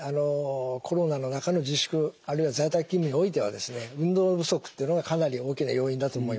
コロナの中の自粛あるいは在宅勤務においてはですね運動不足っていうのがかなり大きな要因だと思います。